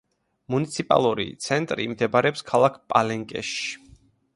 მუნიციპალური ცენტრი მდებარეობს ქალაქ პალენკეში.